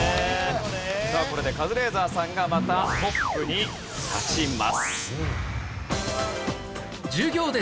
さあこれでカズレーザーさんがまたトップに立ちます。